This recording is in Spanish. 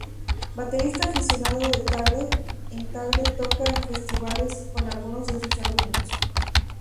Baterista aficionado, de tarde en tarde toca en festivales con algunos de sus alumnos.